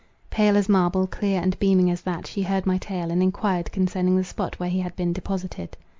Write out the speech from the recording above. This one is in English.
Pale as marble, clear and beaming as that, she heard my tale, and enquired concerning the spot where he had been deposited.